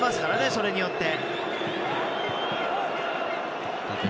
それによって。